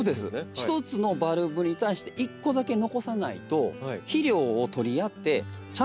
ひとつのバルブに対して１個だけ残さないと肥料を取り合ってちゃんと育たなくなるんですね。